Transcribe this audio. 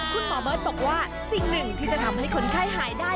คุณหมอเบิร์ตบอกว่าสิ่งหนึ่งที่จะทำให้คนไข้หายได้